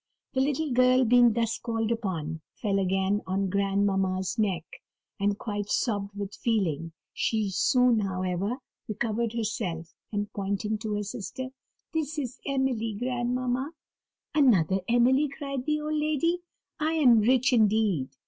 The little girl, being thus called upon, fell again on grandmamma's neck, and quite sobbed with feeling; she soon, however, recovered herself, and pointing to her sister: "This is Emily, grandmamma," she said. "Another Emily!" replied the old lady, "I am rich indeed!"